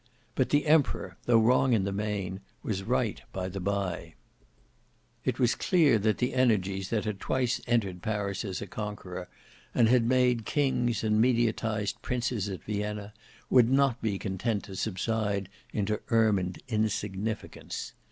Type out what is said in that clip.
But the Emperor, though wrong in the main, was right by the bye. It was clear that the energies that had twice entered Paris as a conqueror, and had made kings and mediatised princes at Vienna, would not be content to subside into ermined insignificance.